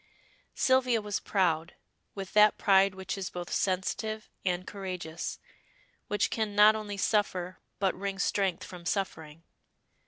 Sylvia was proud, with that pride which is both sensitive and courageous, which can not only suffer but wring strength from suffering.